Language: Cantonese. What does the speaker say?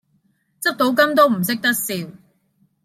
執到金都唔識得笑